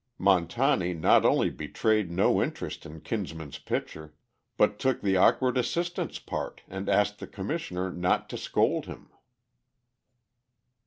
Montani not only betrayed no interest in Kinsman's picture, but took the awkward assistant's part, and asked the Commissioner not to scold him.